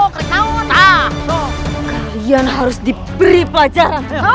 kalian harus diberi pelajaran